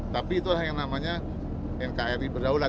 tapi itulah yang namanya nkri berdaulat